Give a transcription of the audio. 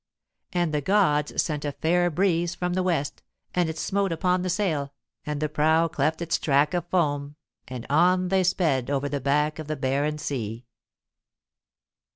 And the gods sent a fair breeze from the west, and it smote upon the sail, and the prow cleft its track of foam, and on they sped over the back of the barren sea.